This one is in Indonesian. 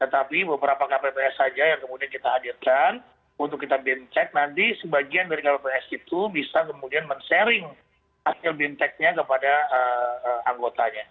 tetapi beberapa kpps saja yang kemudian kita hadirkan untuk kita bim cek nanti sebagian dari kpps itu bisa kemudian men sharing hasil bimteknya kepada anggotanya